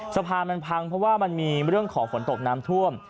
สะพานมันพังเพราะว่ามันมีเรื่องของฝนตกน้ำท่วม